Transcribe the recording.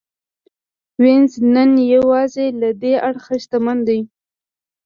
وینز نن یوازې له دې اړخه شتمن دی.